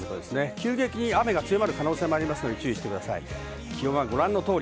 急激に雨が強まる可能性もありますので注意をしてください。